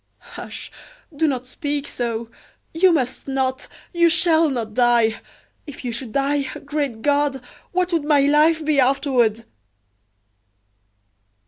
"Hush! do not speak so. You must not, you shall not die! If you should die great God! what would my life be afterward?"